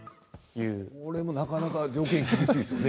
これもなかなか条件が厳しいですよね。